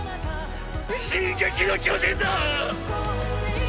進撃の巨人だ！！